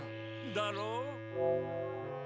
だろう？